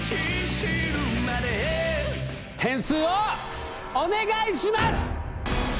点数をお願いします。